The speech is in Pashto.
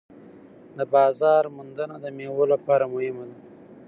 د بازار موندنه د میوو لپاره مهمه ده.